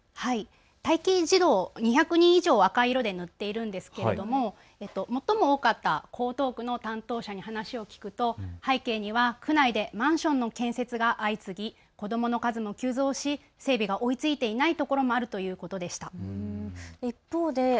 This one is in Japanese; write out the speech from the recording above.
待機児童２００人以上、赤い色で塗っているんですけども最も多かった江東区の担当者に話を聞くと背景には区内でマンションの建設が相次ぎ子どもの数も急増し整備が追いついていないところもあるということでした。